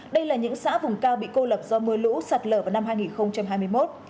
đây là những xã vùng cao bị cô lập do mưa lũ sạt lở vào năm hai nghìn hai mươi một